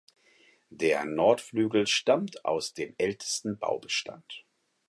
Der Nordflügel stammt aus dem ältesten Baubestand.